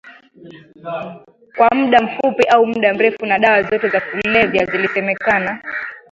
kwa muda mfupi au muda mrefu na dawa zote za kulevya zilisemekana